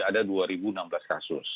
ada dua enam belas kasus